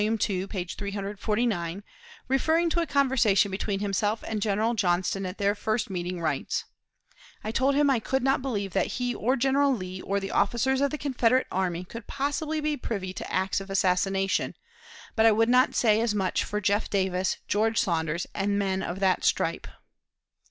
ii, page 349, referring to a conversation between himself and General Johnston at their first meeting, writes: "I told him I could not believe that he or General Lee, or the officers of the Confederate army, could possibly be privy to acts of assassination, but I would not say as much for Jeff Davis, George Saunders, and men of that stripe."